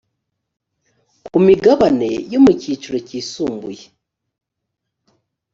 ku migabane yo mu cyiciro cyisumbuye